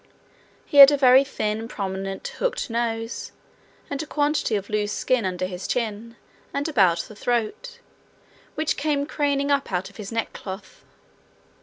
He had a very thin, prominent, hooked nose, and a quantity of loose skin under his chin and about the throat, which came craning up out of his neckcloth.